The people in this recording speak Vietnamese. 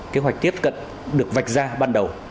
kế hoạch tiếp cận được vạch ra ban đầu